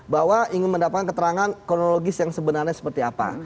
bahwa ingin mendapatkan keterangan kronologis yang sebenarnya seperti apa